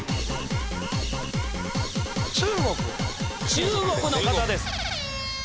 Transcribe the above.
中国の方です。